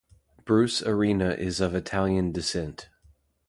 Bruce Arena is of Italian descent.